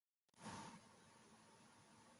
Ospitaleetan gauza bera egiten da pertsonekin.